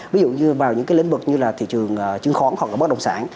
ví dụ như vào những cái lĩnh vực như là thị trường chứng khoán hoặc là bất đồng sản